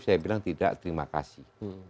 saya bilang tidak terima kasih